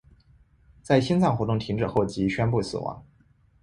在心脏活动停止后即宣布死亡。